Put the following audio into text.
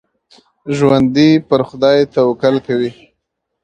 ژوندي پر خدای توکل کوي